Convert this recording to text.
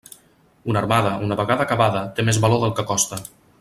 Una armada, una vegada acabada, té més valor del que costa.